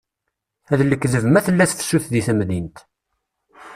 D lekdeb ma tella tefsut deg temdint.